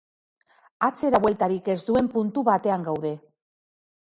Atzerabueltarik ez duen puntu batean gaude.